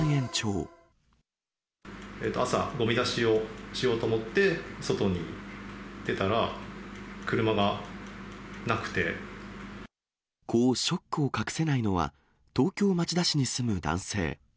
朝、ごみ出しをしようと思って、外に出たら、こうショックを隠せないのは、東京・町田市に住む男性。